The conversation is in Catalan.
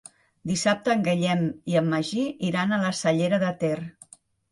Dissabte en Guillem i en Magí iran a la Cellera de Ter.